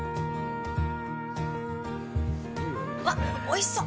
わっ、おいしそう。